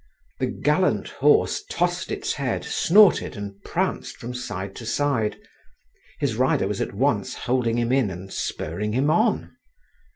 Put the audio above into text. The gallant horse tossed its head, snorted and pranced from side to side, his rider was at once holding him in and spurring him on.